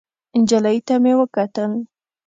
نجلۍ ته مې وکتل.